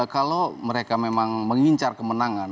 kalau mereka memang mengincar kemenangan